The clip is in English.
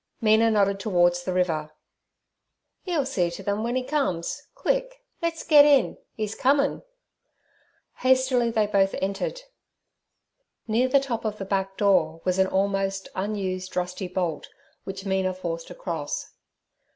Mina nodded towards the river. "E'll see to them w'en 'e comes. Quick! let's get in; 'e's comin'.' Hastily they both entered. Near the top of the back door was an almost unused, rusty bolt, which Mina forced across.